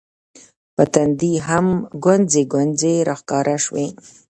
په تندي هم ګونځې ګونځې راښکاره شوې